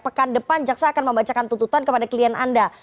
pekan depan jaksa akan membacakan tuntutan kepada klien anda